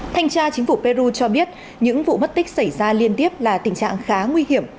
thanh tra chính phủ peru cho biết những vụ mất tích xảy ra liên tiếp là tình trạng khá nguy hiểm